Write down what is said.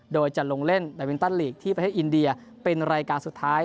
โดยจะลงเล่นในวินตันลีกที่ประเทศอินเดียเป็นรายการสุดท้าย